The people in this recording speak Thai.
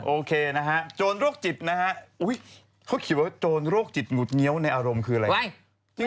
โอเคนะฮะโจรโรคจิตนะฮะเขาเขียนว่าโจรโรคจิตหงุดเงี้ยวในอารมณ์คืออะไร